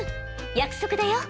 約束だよ。